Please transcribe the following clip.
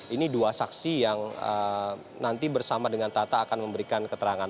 ini dua saksi yang nanti bersama dengan tata akan memberikan keterangan